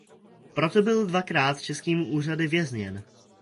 Proto byl dvakrát českými úřady vězněn.